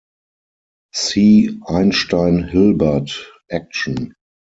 See Einstein-Hilbert action.